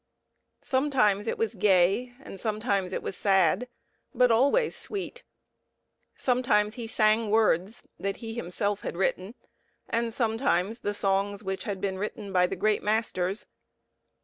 Sometimes it was gay and sometimes it was sad, but always sweet. Sometimes he sang words that he himself had written, and sometimes the songs which had been written by the great masters.